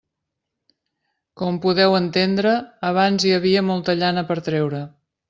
Com podeu entendre, abans hi havia molta llana per treure.